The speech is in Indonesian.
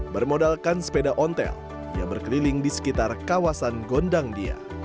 bermodalkan sepeda ontel ia berkeliling di sekitar kawasan gondang dia